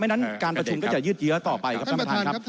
นั้นการประชุมก็จะยืดเยื้อต่อไปครับท่านประธานครับ